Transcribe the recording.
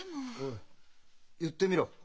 言ってみろ。